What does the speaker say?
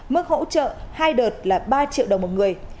mức hỗ trợ hai đợt là ba triệu đồng một người